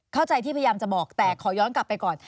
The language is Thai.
เข้าใจที่พยายามจะบอกแต่ขอย้อนกลับไปก่อน